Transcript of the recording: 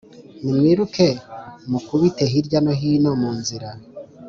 Nimwiruke mukubite hirya no hino mu nzira